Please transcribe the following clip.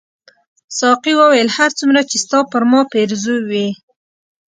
ساقي وویل هر څومره چې ستا پر ما پیرزو وې.